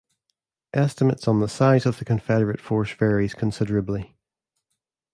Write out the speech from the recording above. Estimates on the size of the Confederate force varies considerably.